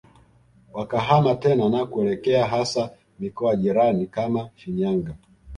wakahama tena na kuelekea hasa mikoa jirani kama Shinyanga